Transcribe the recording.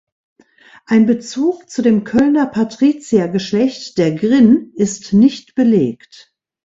Ein Bezug zu dem Kölner Patriziergeschlecht der „Grin“ ist nicht belegt.